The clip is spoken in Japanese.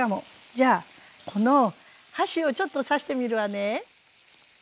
じゃあこの箸をちょっと刺してみるわね。